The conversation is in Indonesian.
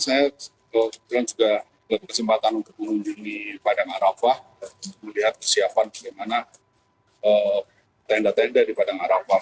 saya juga ingin melihat kesiapan bagaimana tenda tenda di padang arapat